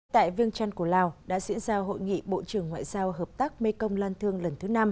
tại vương tran của lào đã diễn ra hội nghị bộ trưởng ngoại giao hợp tác mê công lan thương lần thứ năm